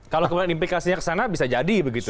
kalau kemudian implikasinya ke sana bisa jadi begitu